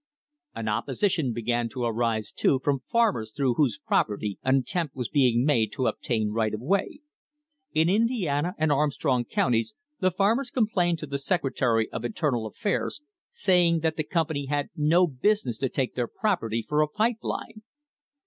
An opposition began to arise, too, from farmers through whose property an attempt was being made to obtain right of way. In Indiana and Armstrong counties the farmers complained to the secretary of internal affairs, saying that the company had no business to take their property for a pipe line.